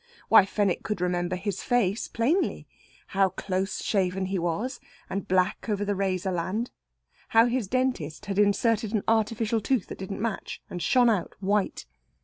Why, Fenwick could remember his face plainly how close shaven he was, and black over the razor land; how his dentist had inserted an artificial tooth that didn't match, and shone out white.